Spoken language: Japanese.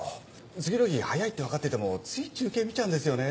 次の日早いって分かっててもつい中継見ちゃうんですよね